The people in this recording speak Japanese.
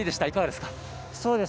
いかがですか。